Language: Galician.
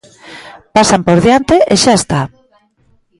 Pasan por diante e xa está.